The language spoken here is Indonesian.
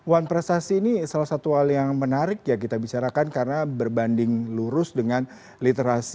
one prestasi ini salah satu hal yang menarik ya kita bicarakan karena berbanding lurus dengan literasi